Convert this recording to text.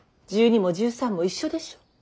１２も１３も一緒でしょ。